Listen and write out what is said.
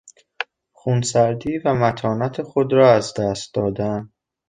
خونسردی و متانت خود را از دست دادن